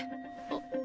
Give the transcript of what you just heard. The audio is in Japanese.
あっ。